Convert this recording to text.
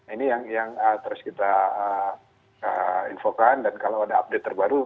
ini yang terus kita infokan dan kalau ada update terbaru